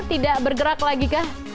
tidak bergerak lagi kah